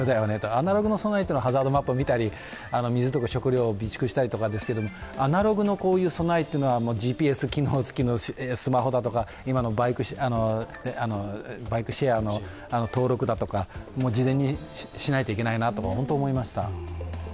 アナログの備えはハザードマップを見たり水とか食料を備蓄したりですけど、アナログのこういう備えは、ＧＰＳ機能のスマホだとか今のバイクシェアの登録だとか、事前にしないといけないなと、本当に思いました。